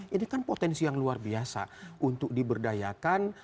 ini kan potensi yang luar biasa untuk diberdayakan